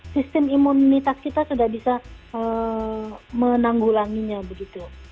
sistem imunitas kita sudah bisa menanggulanginya begitu